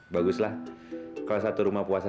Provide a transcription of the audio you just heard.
baguslah kalau satu rumah puasa